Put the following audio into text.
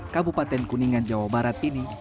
kabupaten kuningan jawa barat ini